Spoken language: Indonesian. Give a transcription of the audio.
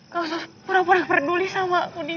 gak usah pura pura peduli sama aku nih